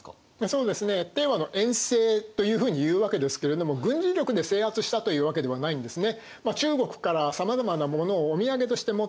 そうですね和の遠征というふうにいうわけですけれども軍事力で制圧したというわけではないんですね。